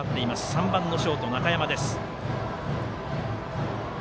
３番のショート、中山。